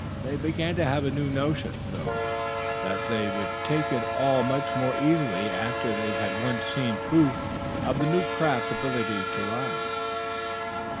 They began to have a new notion, though, that they would take it all much more easily after they had once seen proof of the new craft's ability to rise.